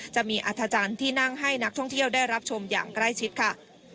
จะมีอัธจันทร์ที่นั่งให้นักท่องเที่ยวได้รับชมอย่างใกล้ชิดค่ะ